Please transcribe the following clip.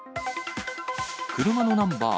車のナンバー